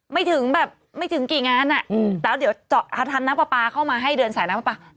กี่งานอ่ะอืมแล้วเดี๋ยวเจาะทันน้ำป๊าป๊าเข้ามาให้เดินสายน้ำป๊าป๊า